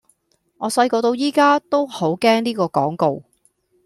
我細個到而家都好驚呢個廣告